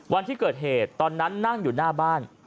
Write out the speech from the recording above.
วันที่เกิดเหตุตอนนั้นนั่งอยู่หน้าบ้าน